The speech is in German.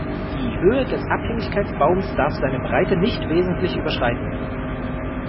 Die Höhe des Abhängigkeitsbaums darf seine Breite nicht wesentlich überschreiten.